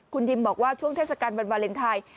คุณทิมบอกว่าช่วงเทศกัณฑ์วันพลิเทียน